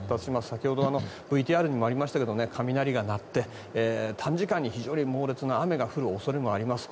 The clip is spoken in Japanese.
先ほどＶＴＲにもありましたが雷が鳴って短時間に非常に猛烈な雨が降る恐れがあります。